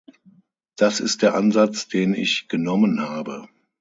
Das ist der Ansatz, den ich genommen habe.